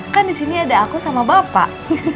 kan disini ada aku sama bapak